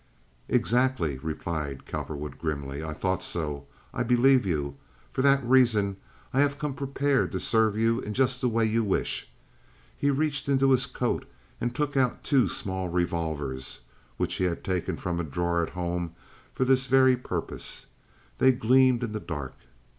"Exactly," replied Cowperwood, grimly. "I thought so. I believe you. For that reason I have come prepared to serve you in just the way you wish." He reached in his coat and took out two small revolvers, which he had taken from a drawer at home for this very purpose. They gleamed in the dark.